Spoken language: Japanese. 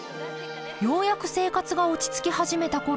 ようやく生活が落ち着き始めたころ